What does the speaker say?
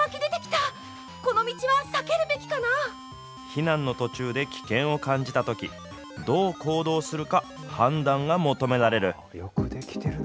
避難の途中で危険を感じたとき、どう行動するか判断が求められる。